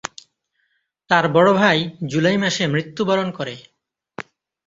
তার বড় ভাই জুলাই মাসে মৃত্যুবরণ করে।